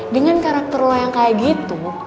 dengan karakter lo yang kayak gitu